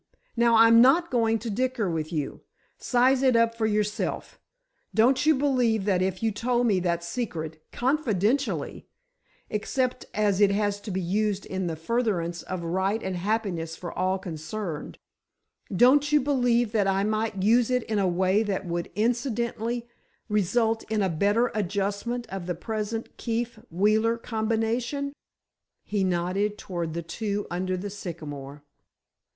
Now, I'm not going to dicker with you. Size it up for yourself. Don't you believe that if you told me that secret—confidentially—except as it can be used in the furtherance of right and happiness for all concerned—don't you believe that I might use it in a way that would incidentally result in a better adjustment of the present Keefe Wheeler combination?" He nodded toward the two under the sycamore.